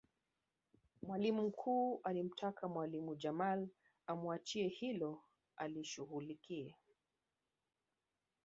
Mwalimu mkuu alimtaka mwalimu Jamal amuachie hilo alishughulikie